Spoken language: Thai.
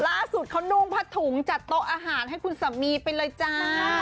ล่าสุดเขานุ่งผ้าถุงจัดโต๊ะอาหารให้คุณสามีไปเลยจ้า